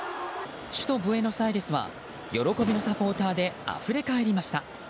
首都ブエノスアイレスは喜びのサポーターであふれ返りました。